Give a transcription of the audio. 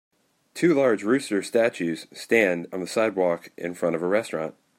Two large rooster statues stand on the sidewalk in front of a restaurant.